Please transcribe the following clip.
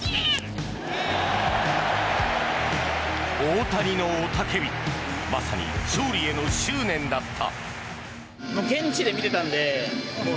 大谷の雄たけびまさに勝利への執念だった。